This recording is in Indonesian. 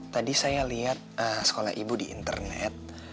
tadi saya lihat sekolah ibu di internet